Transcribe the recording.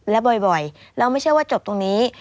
และบ่อยเราไม่ใช่ว่าจบตรงนี้